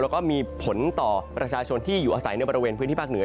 แล้วก็มีผลต่อประชาชนที่อยู่อาศัยในบริเวณพื้นที่ภาคเหนือ